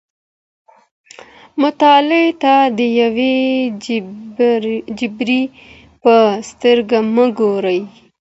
مطالعې ته د یو جبر په سترګه مه ګورئ.